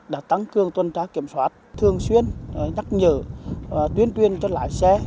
đã tăng cường tuân trá kiểm soát thường xuyên nhắc nhở và tuyên tuyên cho lái xe